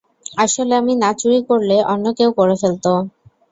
আসলে, আমি না চুরি করলে, অন্য কেউ করে ফেলতো।